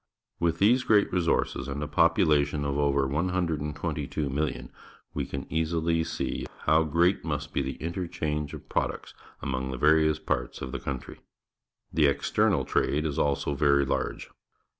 With these great i e sources and a population of over 122,000,000, we can easilj' see how great must be the interchange of products among the various parts of the countrj'. The external trade is also very large.